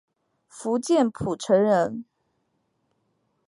福建浦城人。